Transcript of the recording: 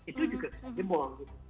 itu juga bisa dibol